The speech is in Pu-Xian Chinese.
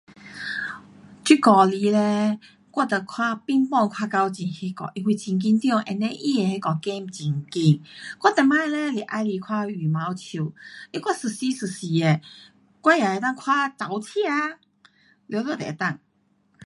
这阵子嘞，我都看乒乓较高级，那因为很紧张，and then 它的那个 game 很快，我以前嘞是喜欢看羽球，我一时一时的，我也能够看跑车，全部都能够。